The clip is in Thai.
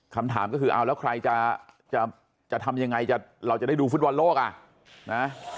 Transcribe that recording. คำถามก็คือเอาแล้วใครจะทำยังไงเราจะได้ดูฟุตบอลโลกอ่ะนะ